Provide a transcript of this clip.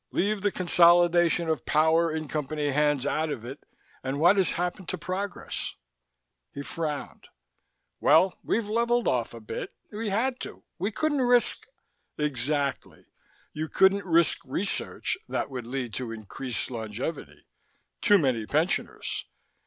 Leave the consolidation of power in Company hands out of it, and what has happened to progress?" He frowned. "Well, we've leveled off a bit. We had to. We couldn't risk " "Exactly. You couldn't risk research that would lead to increased longevity too many pensioners.